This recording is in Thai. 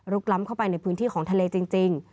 ล้ำเข้าไปในพื้นที่ของทะเลจริง